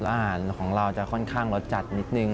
อาหารของเราจะค่อนข้างรสจัดนิดนึง